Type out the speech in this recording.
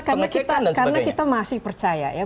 karena kita masih percaya